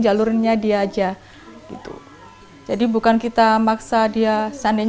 jalurnya dia aja gitu jadi bukan kita maksa dia mengikuti hal hal lainnya jadi kita harus mengikuti